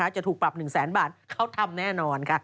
จะถูกปรับ๑แสนบาทเขาทำแน่นอนค่ะ